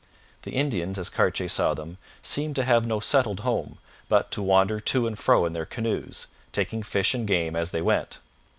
The Indians, as Cartier saw them, seemed to have no settled home, but to wander to and fro in their canoes, taking fish and game as they went.